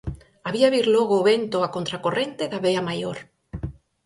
Había vir logo o vento a contracorrente da vea maior.